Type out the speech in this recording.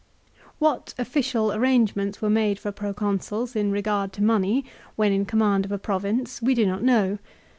WHAT official arrangements were made for Proconsuls, in regard to money, when in command of a province we do not know.